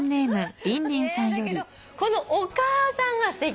だけどこのお母さんがすてき。